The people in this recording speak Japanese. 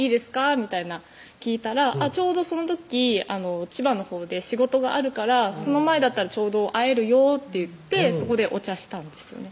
みたいな聞いたら「ちょうどその時千葉のほうで仕事があるからその前だったらちょうど会えるよ」って言ってそこでお茶したんですよね